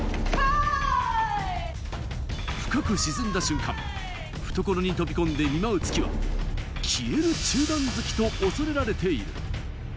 低く沈んだ瞬間、懐に飛び込んで奪う突きは消える中段突きと恐れられている。